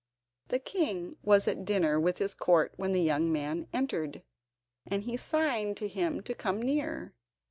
The king was at dinner with his court when the young man entered, and he signed to him to come near.